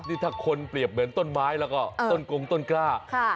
นี่ถ้าคนเปรียบเหมือนต้นไม้แล้วก็ต้นกงต้นกล้า